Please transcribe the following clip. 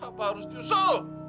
abah harus nyusul